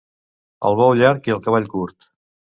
El bou llarg i el cavall curt.